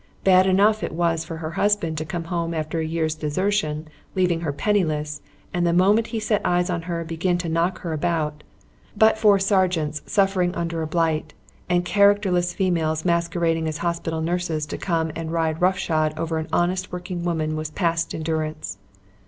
Bad enough it was for her husband to come home after a year's desertion, leaving her penniless, and the moment he set eyes on her begin to knock her about; but for sergeants suffering under a blight and characterless females masquerading as hospital nurses to come and ride rough shod over an honest working woman was past endurance.